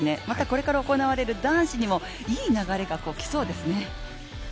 またこれから行われる男子にも、いい流れが来そうですね。